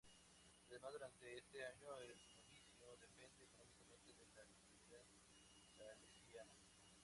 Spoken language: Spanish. Además durante este año el "Novicio" depende económicamente de la Comunidad Salesiana.